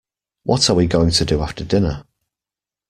What are we going to do after dinner?